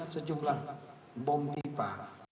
sejumlah bom pipa